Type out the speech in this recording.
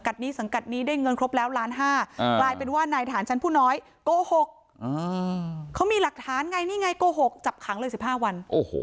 เขามีหลักฐานไงนี่ไงโกหกจับขังเลยสิบห้าวัน